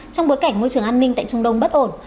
trong bối cảnh môi trường an ninh tại trung đông bất ổn